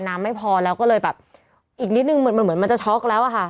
น้ำไม่พอแล้วก็เลยแบบอีกนิดนึงเหมือนมันจะช็อกแล้วค่ะ